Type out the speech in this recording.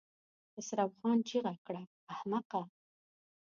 خسرو خان چيغه کړه! احمقه!